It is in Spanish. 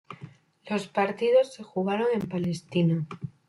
Los partidos se jugaron en Palestina.